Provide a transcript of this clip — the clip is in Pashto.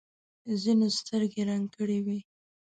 ځینو سترګې رنګ کړې وي.